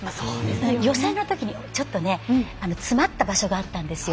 予選のときにちょっとねつまった場所があったんですよ。